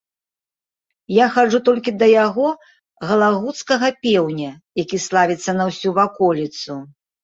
Я хаджу толькі да яго галагуцкага пеўня, які славіцца на ўсю ваколіцу.